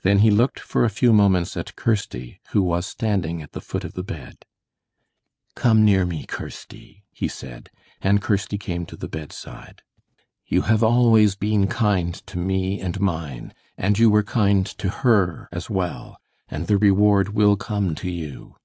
Then he looked for a few moments at Kirsty, who was standing at the foot of the bed. "Come near me, Kirsty," he said; and Kirsty came to the bedside. "You have always been kind to me and mine, and you were kind to HER as well, and the reward will come to you."